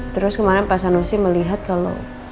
terus kemarin pas anusi melihat kalau